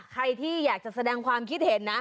ใครที่อยากจะแสดงความคิดเห็นนะ